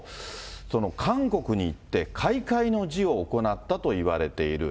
その韓国に行って、開会の辞を行ったといわれている。